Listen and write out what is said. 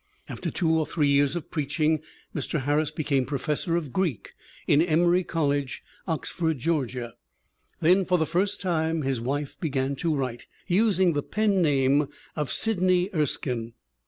After two or three years of preaching Mr. Harris became professor of Greek in Emory Col lege, Oxford, Georgia. Then for the first time his wife began to write, using the pen name of Sidney Er skine.